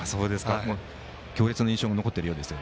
強烈な印象が残ってるようですが。